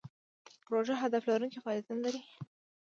پروژه هدف لرونکي فعالیتونه لري.